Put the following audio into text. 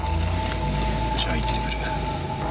じゃあ行って来る。